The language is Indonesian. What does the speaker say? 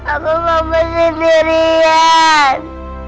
aku mau bersendirian